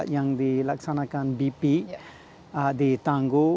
yang dilaksanakan bp di tangguh